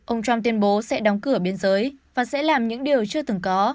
ông trump tuyên bố sẽ đóng cửa biên giới và sẽ làm những điều chưa từng có